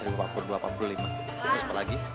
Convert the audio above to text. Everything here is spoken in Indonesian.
terus apa lagi